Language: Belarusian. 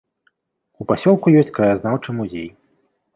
У пасёлку ёсць краязнаўчы музей.